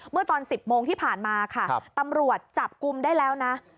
เมื่อตอน๑๐โมงที่ผ่านมาค่ะตำรวจจับกลุ่มได้แล้วนะ